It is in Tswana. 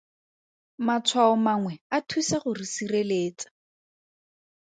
Matshwao mangwe a thusa go re sireletsa.